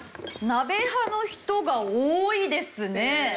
鍋派の人が多いですね。